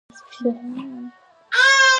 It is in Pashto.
زه د ځمکې پر سر نه پوهېږم او ته د منډې تمه لرې.